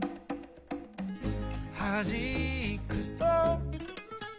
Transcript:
「はじくと」